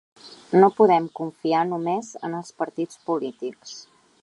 No podem confiar només en els partits polítics.